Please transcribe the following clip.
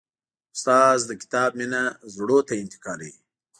استاد د کتاب مینه زړونو ته انتقالوي.